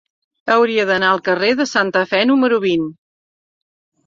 Hauria d'anar al carrer de Santa Fe número vint.